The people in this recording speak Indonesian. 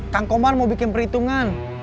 kang komar mau bikin perhitungan